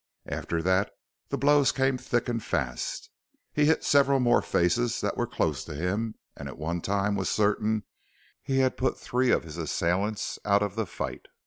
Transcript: After that the blows came thick and fast. He hit several more faces that were close to him and at one time was certain he had put three of his assailants out of the fight.